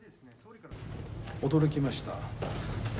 驚きました。